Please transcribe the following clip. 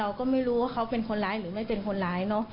เราก็ไม่รู้ว่าเขาเป็นคนร้ายหรือไม่เป็นคนร้ายเนอะ